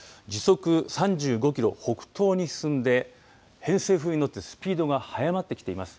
時速３５キロ、北東に進んで偏西風に乗ってスピードが速まってきています。